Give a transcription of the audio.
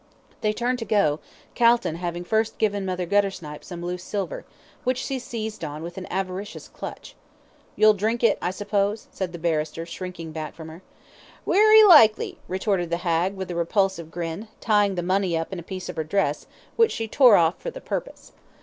They turned to go, Calton having first given Mother Guttersnipe some loose silver, which she seized on with an avaricious clutch. "You'll drink it, I suppose?" said the barrister, shrinking back from her. "Werry likely," retorted the hag, with a repulsive grin, tying the money up in a piece of her dress, which she tore off for the purpose.